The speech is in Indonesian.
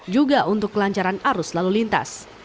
juga untuk kelancaran arus lalu lintas